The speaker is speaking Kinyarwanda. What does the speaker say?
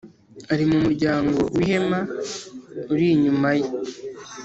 ari mu muryango w ihema uri inyuma ye